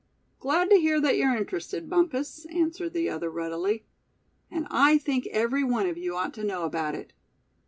"Glad to hear that you're interested, Bumpus," answered the other readily. "And I think every one of you ought to know about it.